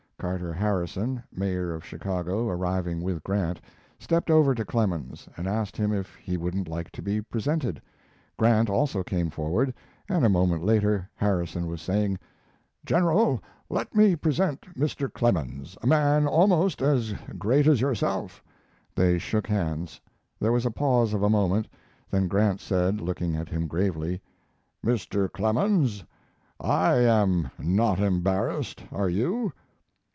Carter Harrison, Mayor of Chicago, arriving with Grant, stepped over to Clemens, and asked him if he wouldn't like to be presented. Grant also came forward, and a moment later Harrison was saying: "General, let me present Mr. Clemens, a man almost as great as yourself." They shook hands; there was a pause of a moment, then Grant said, looking at him gravely: "Mr. Clemens, I am not embarrassed, are you?"